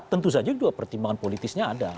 tentu saja juga pertimbangan politisnya ada